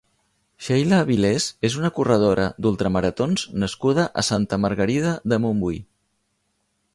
Sheila Avilés és una corredora d'ultramaratons nascuda a Santa Margarida de Montbui.